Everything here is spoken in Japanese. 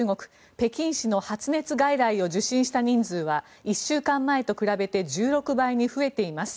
北京市の発熱外来を受診した人数は１週間前と比べて１６倍に増えています。